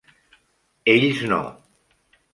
Ells no.